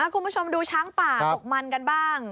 คุณผู้ชมดูช้างป่าตกมันกันบ้าง